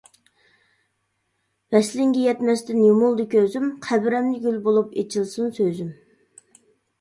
ۋەسلىڭگە يەتمەستىن يۇمۇلدى كۆزۈم، قەبرەمدە گۈل بولۇپ ئېچىلسۇن سۆزۈم.